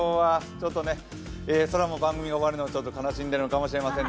ちょっと空も番組が終わるのを悲しんでいるのかもしれません。